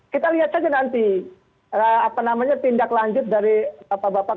kita lihat saja nanti apa namanya tindak lanjut dari bapak bapak